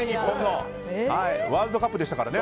ワールドカップでしたからね。